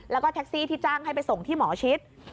แล้วก็แท็กซี่ที่จ้างให้ไปส่งที่หมอชิด